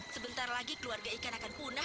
sebentar lagi keluarga ikan akan punah